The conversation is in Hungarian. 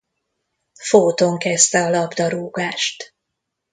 Fóton kezdte a labdarúgást.